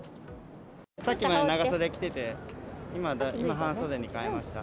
さっきまで長袖着てて、今、半袖に替えました。